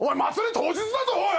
当日だぞおい！